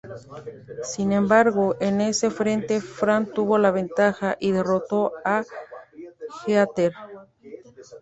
Sin embargo, en ese frente, Fran tuvo la ventaja, y derrotó a Heather.